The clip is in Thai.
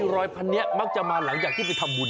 รอยพันนี้มักจะมาหลังจากที่ไปทำบุญ